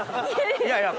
いやいや。